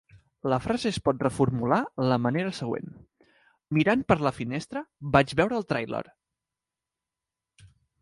La frase es pot reformular la manera següent: "Mirant per la finestra, vaig veure el tràiler".